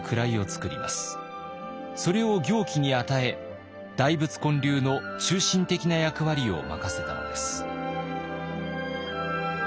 それを行基に与え大仏建立の中心的な役割を任せたのです。